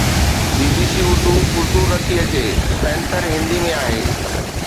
بي B C Urdu Urdu نٿي اچي، پينٿر هندي ۾ آهي